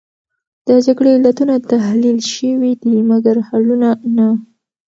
د جګړې علتونه تحلیل شوې دي، مګر حلونه نه.